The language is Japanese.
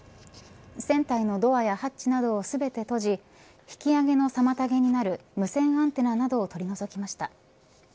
船体のドアやハッチなど全て閉じ引き揚げの妨げになる無線アンテナなどを取り除きました。